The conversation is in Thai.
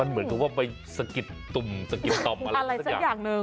เหมือนกับว่าไปสะกิดตุ่มสะกิดต่อมอะไรสักอย่างหนึ่ง